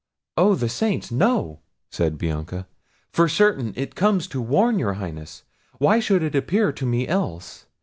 "Oh! the Saints! No," said Bianca, "for certain it comes to warn your Highness; why should it appear to me else?